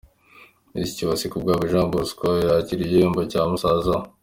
Mushiki wa Sikubwabo Jean Bosco yakira igihembo cya musaza we.